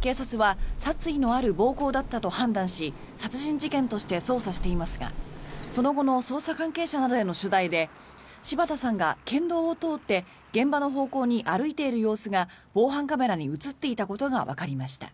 警察は殺意のある暴行だったと判断し殺人事件として捜査していますがその後の捜査関係者などへの取材で柴田さんが県道を通って現場の方向に歩いている様子が防犯カメラに映っていたことがわかりました。